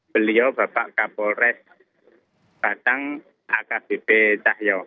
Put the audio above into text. beliau bapak kapolres batang akbp cahyo